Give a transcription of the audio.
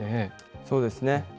そうですね。